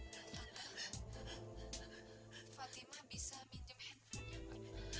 tante fatima bisa minjem handphonenya